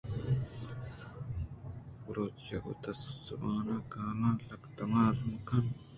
ءُ بلوچی ءَ گوں دری زبان ءِ گالاں لگتمال مہ کن ایں۔